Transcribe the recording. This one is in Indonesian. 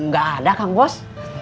gak ada kang bos